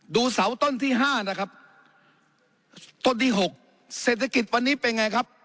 เสาต้นที่ห้านะครับต้นที่หกเศรษฐกิจวันนี้เป็นไงครับ